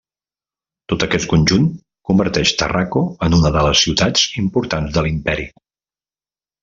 Tot aquest conjunt converteix Tàrraco en una de les ciutats importants de l'imperi.